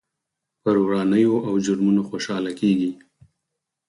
پر ورانيو او جرمونو خوشحاله کېږي.